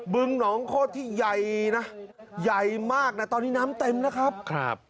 ึงหนองโคตรที่ใหญ่นะใหญ่มากนะตอนนี้น้ำเต็มนะครับ